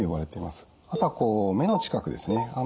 あとは目の近くですね